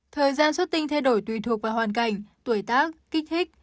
thời gian xuất tinh thay đổi tùy thuộc vào hoàn cảnh tuổi tác kích thích